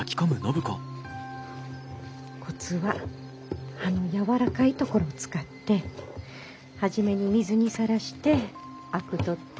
コツは葉のやわらかい所を使って初めに水にさらしてあく取って。